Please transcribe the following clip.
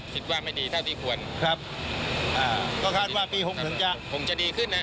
คิดว่าไม่ดีเท่าที่ควรครับอ่าก็คาดว่าปีหกถึงจะคงจะดีขึ้นนะ